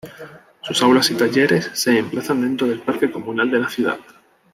Sus aulas y talleres se emplazan dentro del parque comunal de la ciudad.